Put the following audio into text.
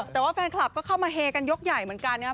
แต่ว่าแฟนคลับก็เข้ามาเฮกันยกใหญ่เหมือนกันนะครับ